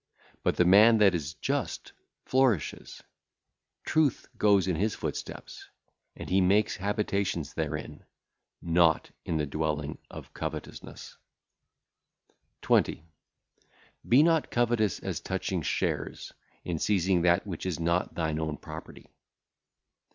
But the man that is just flourisheth; truth goeth in his footsteps, and he maketh habitations therein, not in the dwelling of covetousness. 20. Be not covetous as touching shares, in seizing that which is not thine own property.